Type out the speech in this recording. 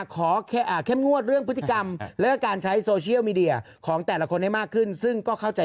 ขอแค่งวดเรื่องพฤติกรรมและการใช้โซเชียลมีเดียของแต่ละคนให้มากขึ้น